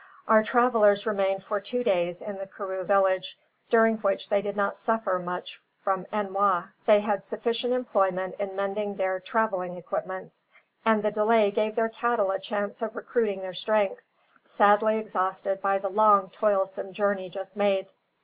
Our travellers remained for two days in the Karroo village, during which they did not suffer much from ennui. They had sufficient employment in mending their travelling equipments; and the delay gave their cattle a chance of recruiting their strength, sadly exhausted by the long toilsome journey just made.